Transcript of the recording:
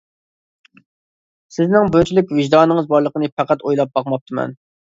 -سىزنىڭ بۇنچىلىك ۋىجدانىڭىز بارلىقىنى پەقەت ئويلاپ باقماپتىمەن.